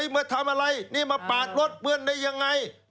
มาทำอะไรนี่มาปาดรถเพื่อนได้ยังไง